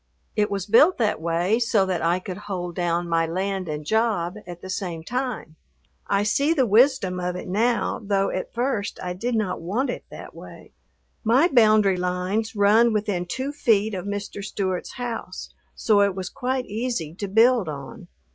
It was built that way so that I could "hold down" my land and job at the same time. I see the wisdom of it now, though at first I did not want it that way. My boundary lines run within two feet of Mr. Stewart's house, so it was quite easy to build on.